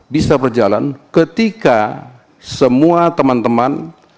bisa berjalan ketika semua teman teman